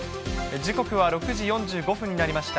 時刻は６時４５分になりました。